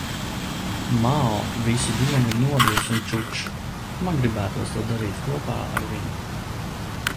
Mao visu dienu ir noguris un čuč. Man gribētos to darīt kopā ar viņu.